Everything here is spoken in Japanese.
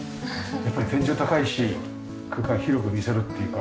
やっぱり天井高いし空間広く見せるっていうか。